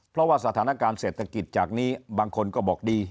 เพราะว่าสถานการณ์เศรษฐกิจจากนี้บางคนก็บอกดี